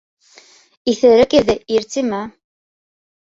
Иҫерек ирҙе ир тимә.